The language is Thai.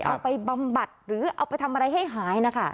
บำบัดหรือเอาไปทำอะไรให้หายนะคะ